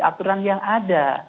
aturan yang ada